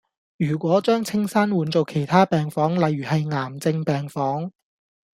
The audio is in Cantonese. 如果將青山換做其他病房例如係癌症病房